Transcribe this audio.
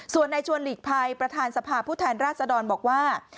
ส่วนในชวนหลีกภัยประธานสภาพผู้แทนราชดรบอกว่า